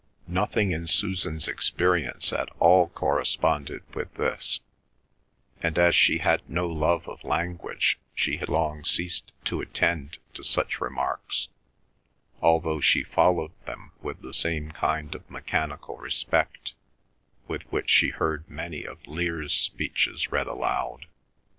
Nothing in Susan's experience at all corresponded with this, and as she had no love of language she had long ceased to attend to such remarks, although she followed them with the same kind of mechanical respect with which she heard many of Lear's speeches read aloud.